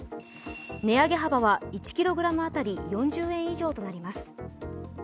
値上げ幅は１ｋｇ当たり４０円以上となります。